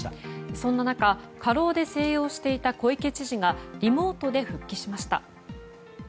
そんな中過労で静養していた小池知事がリモートで復帰しました。